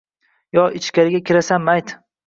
Yo ichkariga kirasanmi ayt?..